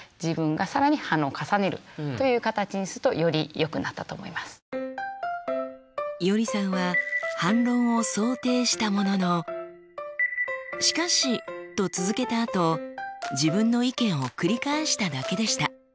そのあとですねいおりさんは反論を想定したものの「しかし」と続けたあと自分の意見を繰り返しただけでした。